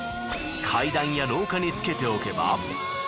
階段や廊下につけておけば。